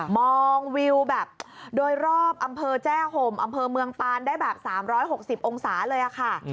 มองวิวแบบโดยรอบอำเภอแจ้ห่มอำเภอเมืองปานได้แบบ๓๖๐องศาเลยค่ะ